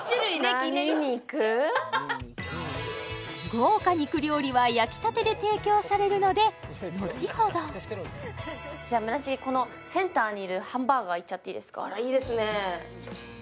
豪華肉料理は焼きたてで提供されるので後ほどじゃ村重このセンターにいるハンバーガーいっちゃっていいですかあらいいですね